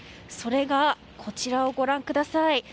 それが、こちらをご覧ください。